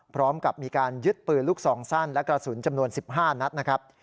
พร้อมกับมีการยึดปืนลูกซองสั้นและกระสุนจำนวน๑๕นัดนะครับ